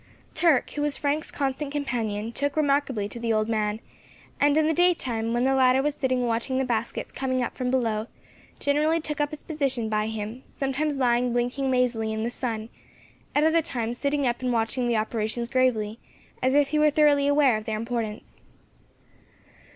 Turk, who was Frank's constant companion, took remarkably to the old man, and in the daytime, when the latter was sitting watching the baskets coming up from below, generally took up his position by him, sometimes lying blinking lazily in the sun, at other times sitting up and watching the operations gravely, as if he were thoroughly aware of their importance.